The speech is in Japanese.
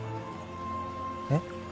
えっ？